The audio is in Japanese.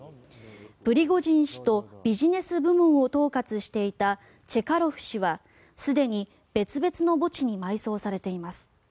プリゴジン氏とビジネス部門を統括していたチェカロフ氏はすでに別々の墓地に埋葬されています。